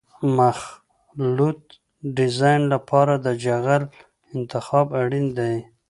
د مخلوط د ډیزاین لپاره د جغل انتخاب اړین دی